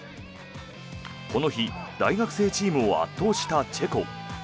この日、大学生チームを圧倒したチェコ。